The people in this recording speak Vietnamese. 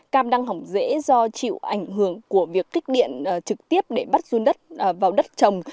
cam đang hỏng dễ do chịu ảnh hưởng của việc kích điện trực tiếp để bắt run đất vào đất trồng